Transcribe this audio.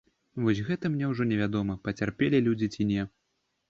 Вось гэта мне ўжо невядома, пацярпелі людзі ці не.